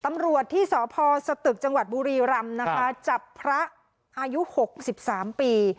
ตำรวจที่สพสตึกจังหวัดบุรีรำนะคะจับพระอายุ๖๓ปี